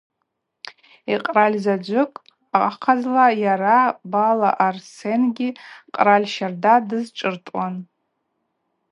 Йкъральзаджвыкӏ ахъазла Йара Бала Арсенгьи къраль щарда дызшӏыртуан.